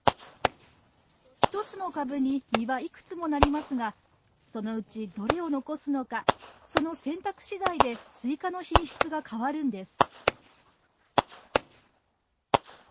１つの株に実はいくつもなりますが、そのうちどれを残すのか、その選択しだいでスイカの品質が変わるんです。